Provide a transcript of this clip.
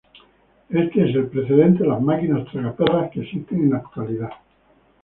Este es el precedente de las máquinas tragaperras que existen en la actualidad.